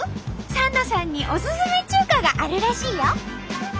サンドさんにおすすめ中華があるらしいよ。